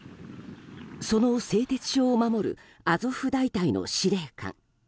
その製鉄所を守るアゾフ大隊の司令官。